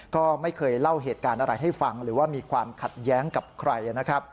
ก็ไม่เคยเล่าเหตุการณ์อะไรให้ฟังหรือว่ามีความขัดแย้งกับใครนะครับ